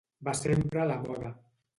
Va sempre a la moda.